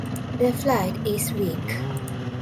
Their flight is weak.